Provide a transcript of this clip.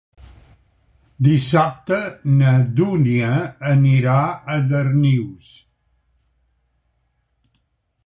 Dissabte na Dúnia anirà a Darnius.